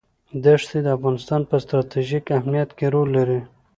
دښتې د افغانستان په ستراتیژیک اهمیت کې رول لري.